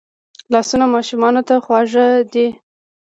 لاسونه ماشومانو ته خواږه دي